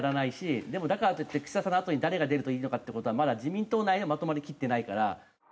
だからといって岸田さんのあとに誰が出るといいのかって事はまだ自民党内でまとまりきってないから。